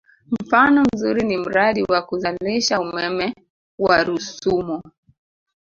Mfano mzuri ni mradi wa kuzalisha umeme wa Rusumo